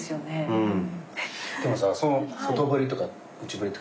うん。